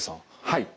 はい。